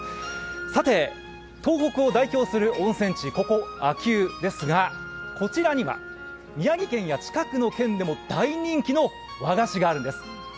さて東北を代表する温泉地、ここ秋保ですがこちらには宮城県や近くの県でも大人気の和菓子があるんです。